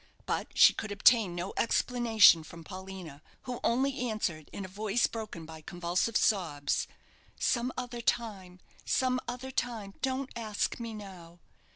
But she could obtain no explanation from Paulina, who only answered, in a voice broken by convulsive sobs, "Some other time, some other time; don't ask me now."